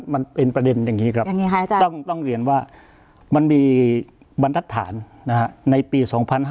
มันเป็นประเด็นอย่างนี้ครับต้องเรียนว่ามันมีบรรทัศนในปี๒๕๕๙